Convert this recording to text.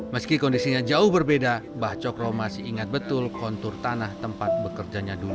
meski kondisinya jauh berbeda mbah cokro masih ingat betul kontur tanah tempat bekerjanya dulu